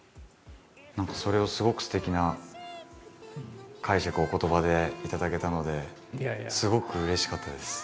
何かそれをすごくすてきな解釈をお言葉で頂けたのですごくうれしかったです。